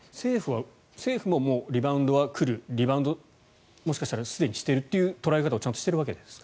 政府もリバウンドは来るリバウンド、もしかしたらすでにしているという捉え方をちゃんとしているんですか？